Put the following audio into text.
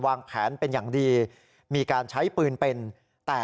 ตั้งประเด็นสอบสวนไว้๓ประเด็นครับ